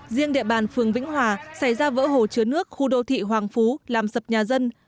riêng địa bàn phường vĩnh hòa xảy ra vỡ hồ chứa nước khu đô thị hoàng phú làm sập nhà dân